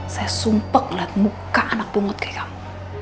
saya sumpah ngeliat muka anak pungut kayak kamu